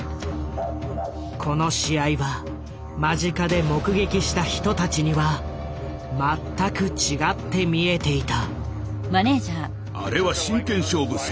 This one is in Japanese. この試合は間近で目撃した人たちには全く違って見えていた。